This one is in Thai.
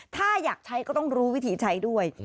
ถ้าอยากใช้ก็ต้องรู้วิธีใช้ด้วย